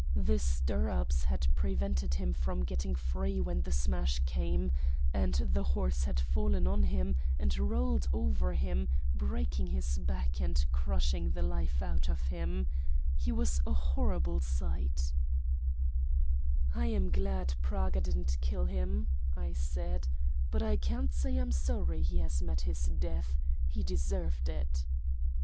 The stirrups had prevented him from getting free when the smash came, and the horse had fallen on him and rolled over him, breaking his back and crushing the life out of him. He was a horrible sight." [Illustration: THE HORSE HAD FALLEN ON HIM AND ROLLED OVER HIM.] "I am glad Praga didn't kill him," I said. "But I can't say I am sorry he has met his death. He deserved it."